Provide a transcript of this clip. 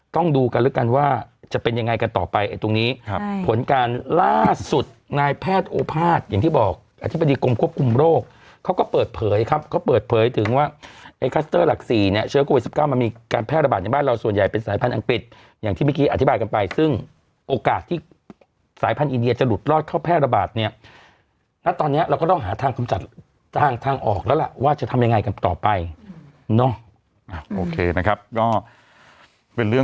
ต้องดูกันแล้วกันว่าจะเป็นยังไงกันต่อไปตรงนี้ผลการล่าสุดนายแพทย์โอภาษณ์อย่างที่บอกอธิบดีกรมควบคุมโรคเขาก็เปิดเผยครับเขาเปิดเผยถึงว่าไอ้คัสเตอร์หลัก๔เนี่ยเชื้อกว่าวิด๑๙มันมีการแพทย์ระบาดในบ้านเราส่วนใหญ่เป็นสายพันธุ์อังกฤษอย่างที่เมื่อกี้อธิบายกันไปซึ่